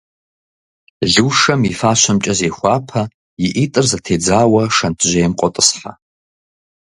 Лушэм и фащэмкӏэ зехуапэ, и ӏитӏыр зэтедзауэ шэнтжьейм къотӏысхьэ.